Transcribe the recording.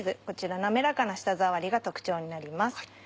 こちら滑らかな舌触りが特徴になります。